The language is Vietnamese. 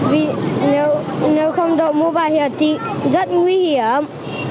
vì nếu không đổ mũ bảo hiểm thì rất nguy hiểm